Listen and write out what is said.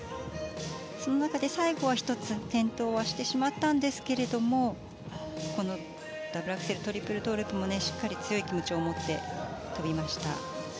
その中で最後は１つ転倒はしてしまったんですけどダブルアクセルトリプルトウループもしっかり、強い気持ちを持って跳びました。